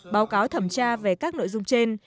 báo cáo thẩm tra về các nội dung trên